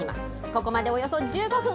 ここまでおよそ１５分。